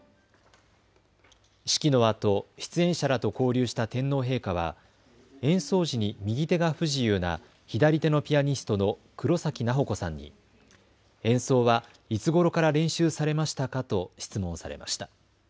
式のあと出演者らと交流した天皇陛下は演奏時に右手が不自由な左手のピアニストの黒崎菜保子さんに演奏はいつごろから練習されましたかと質問されました。